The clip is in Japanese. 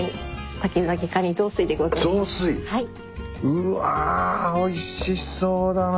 うわおいしそうだな